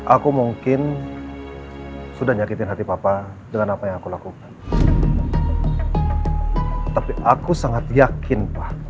aku mungkin sudah nyakitin hati papa dengan apa yang aku lakukan tapi aku sangat yakin